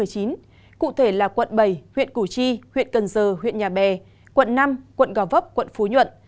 cụ thể là quận bảy huyện củ chi huyện cần giờ huyện nhà bè quận năm quận gò vấp quận phú nhuận